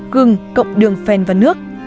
gừng cộng đường phèn và nước